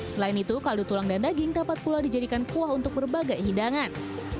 selain itu kaldu tulang dan daging dapat pula dijadikan kuah untuk berbagai hidangan